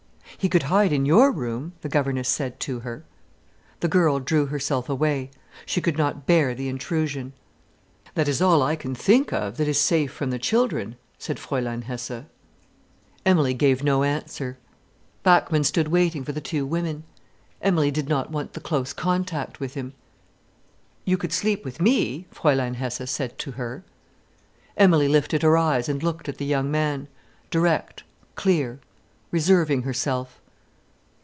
"He could hide in your room," the governess said to her. The girl drew herself away. She could not bear the intrusion. "That is all I can think of that is safe from the children," said Fräulein Hesse. Emilie gave no answer. Bachmann stood waiting for the two women. Emilie did not want the close contact with him. "You could sleep with me," Fräulein Hesse said to her. Emilie lifted her eyes and looked at the young man, direct, clear, reserving herself.